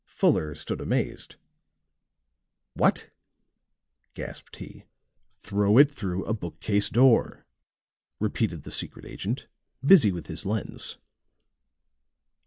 Fuller stood amazed. "What?" gasped he. "Throw it through a bookcase door," repeated the secret agent, busy with his lens.